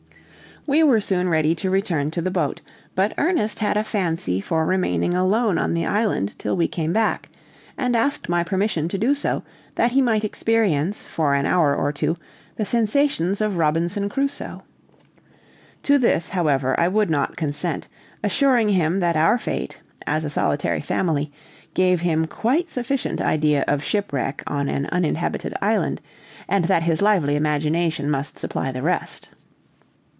We were soon ready to return to the boat, but Ernest had a fancy for remaining alone on the island till we came back, and asked my permission to do so, that he might experience, for an hour or two, the sensations of Robinson Crusoe. To this, however, I would not consent, assuring him that our fate, as a solitary family, gave him quite sufficient idea of shipwreck on an uninhabited island, and that his lively imagination must supply the rest.